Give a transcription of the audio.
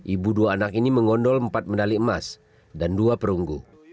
ibu dua anak ini mengondol empat medali emas dan dua perunggu